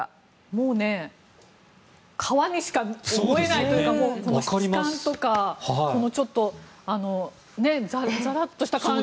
もう、革にしか思えないというかこの質感とかちょっとザラッとした感じの。